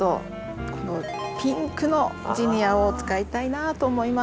このピンクのジニアを使いたいなと思います。